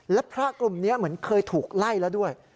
และพระกลุ่มนี้เหมือนเคยถูกไล่แล้วด้วย